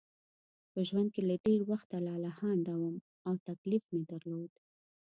په ژوند کې له ډېر وخته لالهانده وم او تکلیف مې درلود.